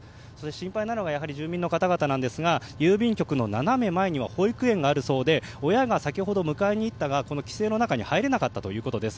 心配なのがやはり住民の方々なんですが郵便局の斜め前には保育園があるそうで親が先ほど迎えに行ったが規制の中に入れなかったということです。